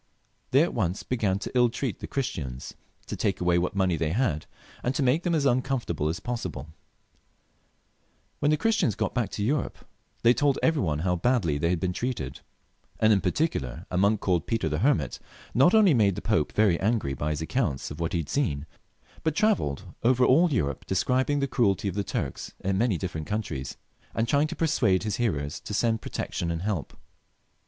They at once began to ill treat the Christians, to take away what money they had, and to make them as uncomfortable as possibla When the Christians got back to Europe they told every one how badly they had been treated ; and in particular a monk called Peter the Hermit not only made the Pope very angry by his account of what he had seen, but tra velled over all Europe describing the cruelty of the Turks in many different countries, and trying to persuade his hearers to send protection and help.